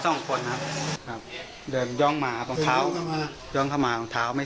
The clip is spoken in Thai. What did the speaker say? สองคนครับครับเดินย่องมารองเท้าย่องเข้ามารองเท้าไม่